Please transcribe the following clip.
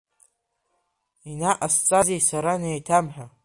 Инаҟасҵазеи сара неиҭамҳәа?!